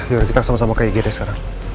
yaudah kita sama sama ke igd sekarang